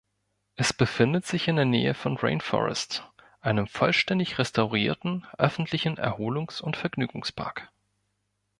Es befindet sich in der Nähe von Rainforest, einem vollständig restaurierten öffentlichen Erholungs- und Vergnügungspark.